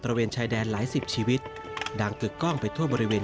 ระเวนชายแดนหลายสิบชีวิตดังกึกกล้องไปทั่วบริเวณ